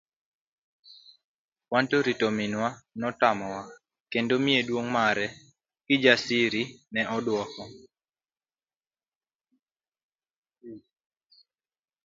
Wanto rito minwa no otamowa kendo miye duong' mare, Kijasiri ne oduoko.